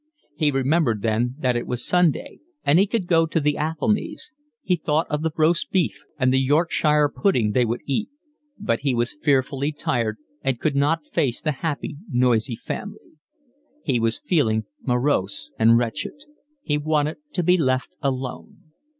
He remembered then that it was Sunday and he could go to the Athelnys; he thought of the roast beef and the Yorkshire pudding they would eat; but he was fearfully tired and could not face the happy, noisy family. He was feeling morose and wretched. He wanted to be left alone.